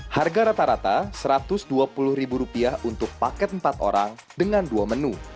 harga rata rata rp satu ratus dua puluh untuk paket empat orang dengan dua menu